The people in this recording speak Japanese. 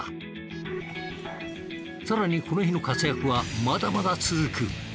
更にこの日の活躍はまだまだ続く。